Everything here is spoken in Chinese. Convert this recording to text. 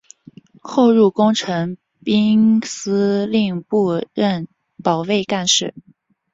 后入工程兵司令部任保卫干事。